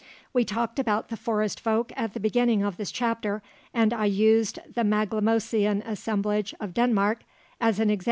We talked about the "Forest folk" at the beginning of this chapter, and I used the Maglemosian assemblage of Denmark as an example.